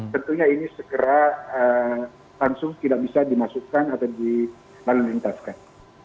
tentunya ini segera langsung tidak bisa dimasukkan atau dimanfaatkan